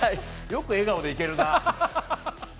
よく笑顔でいけるな。